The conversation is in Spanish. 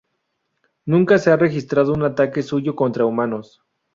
Nunca se ha registrado un ataque suyo contra humanos.